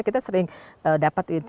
kita sering dapat